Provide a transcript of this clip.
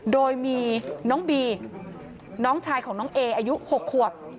โดยมีน้องบีน้องชายของน้องเออายุ๖ขวบ